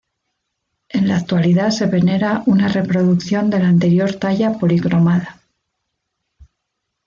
En la actualidad se venera una reproducción de la anterior talla policromada.